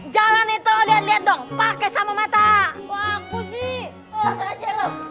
jalan itu lihat lihat dong pakai sama mata aku sih